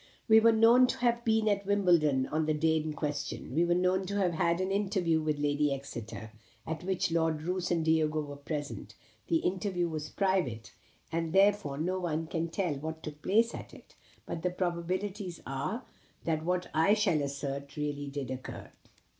We were known to have been at Wimbledon on the day in question. We were known to have had an interview with Lady Exeter, at which Lord Roos and Diego were present. The interview was private, and therefore no one can tell what took place at it; but the probabilities are that what I shall assert really did occur."